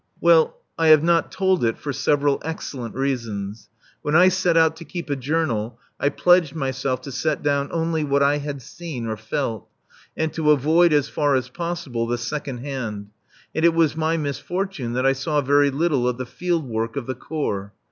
Well I have not told it for several excellent reasons. When I set out to keep a Journal I pledged myself to set down only what I had seen or felt, and to avoid as far as possible the second hand; and it was my misfortune that I saw very little of the field work of the Corps.